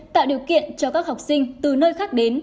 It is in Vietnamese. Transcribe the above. tạo điều kiện cho các học sinh từ nơi khác đến